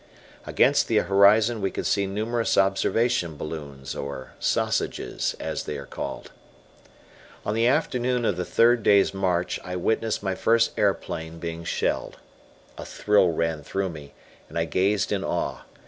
Against the horizon we could see numerous observation balloons or "sausages" as they are called. On the afternoon of the third day's march I witnessed my first aeroplane being shelled. A thrill ran through me and I gazed in awe.